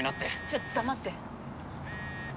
ちょ黙って。